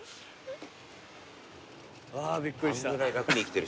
あびっくりした。